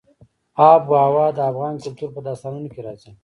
آب وهوا د افغان کلتور په داستانونو کې راځي.